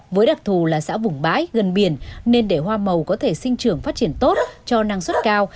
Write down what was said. với đặc thù là xã vùng bãi gần biển nên để hoa màu có thể sinh trưởng phát triển tốt cho năng suất cao